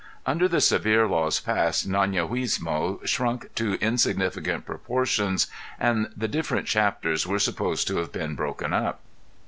Under the severe laws passed, ├æa├▒iguismo shrunk to insignificant proportions and the different chapters were supposed to have been broken up.